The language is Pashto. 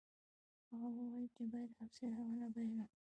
هغه وویل چې باید حوصله ونه بایلو.